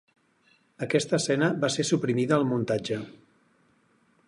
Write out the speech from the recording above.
Aquesta escena va ser suprimida al muntatge.